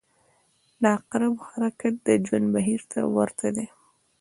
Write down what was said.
• د عقربو حرکت د ژوند بهیر ته ورته دی.